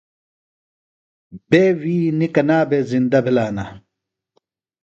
بے ویِئ نیۡ کنا بھےۡ زِندہ بِھلہ ہِنہ ؟